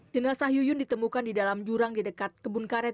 jenazah yuyun ditemukan di dalam jurang di dekat kebun karet